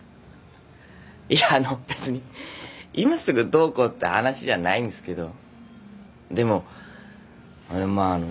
いやあの別に今すぐどうこうって話じゃないんすけどでも俺まあ